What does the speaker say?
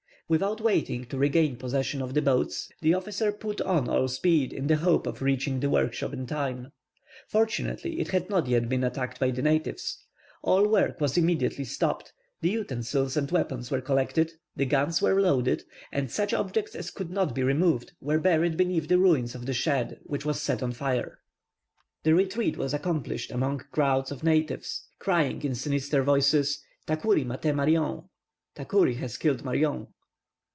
Without waiting to regain possession of the boats, the officer put on all speed in the hope of reaching the workshop in time. Fortunately, it had not yet been attacked by the natives. All work was immediately stopped, the utensils and weapons were collected, the guns were loaded, and such objects as could not be removed were buried beneath the ruins of the shed, which was set on fire. The retreat was accomplished amongst crowds of natives, crying in sinister tones, "Tacouri maté Marion," "Tacouri has killed Marion."